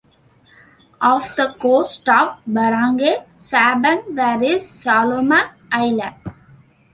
Off the coast of Barangay Sabang there is Salomague Island.